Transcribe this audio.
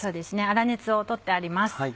粗熱を取ってあります。